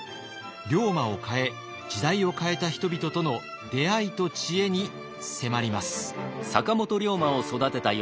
龍馬を変え時代を変えた人々との出会いと知恵に迫ります。